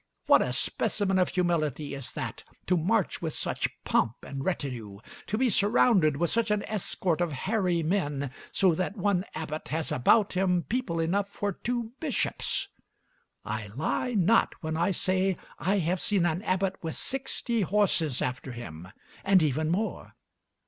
What a specimen of humility is that, to march with such pomp and retinue, to be surrounded with such an escort of hairy men, so that one abbot has about him people enough for two bishops. I lie not when I say, I have seen an abbot with sixty horses after him, and even more.